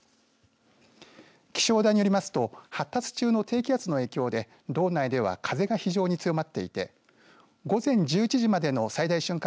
気象台によりますと発達中の低気圧の影響で道内では風が非常に強まっていて午前１１時までの最大瞬間